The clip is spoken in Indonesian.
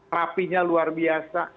rapinya luar biasa